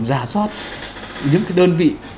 giả soát những cái đơn vị